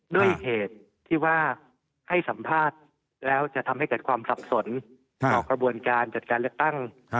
ด้วยเหตุที่ว่าให้สัมภาษณ์แล้วจะทำให้เกิดความสับสนต่อกระบวนการจัดการเลือกตั้ง